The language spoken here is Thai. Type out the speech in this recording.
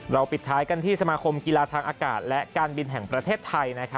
ปิดท้ายกันที่สมาคมกีฬาทางอากาศและการบินแห่งประเทศไทย